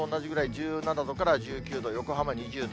１７度から１９度、横浜２０度。